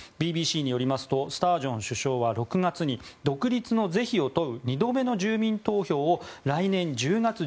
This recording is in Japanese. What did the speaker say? ＢＢＣによりますとスタージョン首相は６月に独立の是非を問う２度目の住民投票を来年１０月１９日